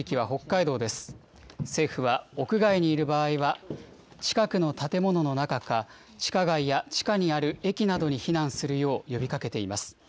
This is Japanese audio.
政府は屋外にいる場合は、近くの建物の中か、地下街や地下にある駅などに避難するよう呼びかけています。